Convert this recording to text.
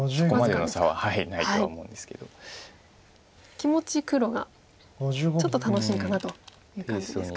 気持ち黒がちょっと楽しいかなという感じですか。